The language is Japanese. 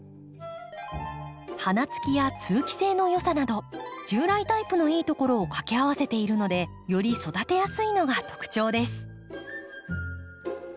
花つきや通気性のよさなど従来タイプのいいところをかけ合わせているのでより育てやすいのが特徴です。